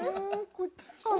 こっちかな？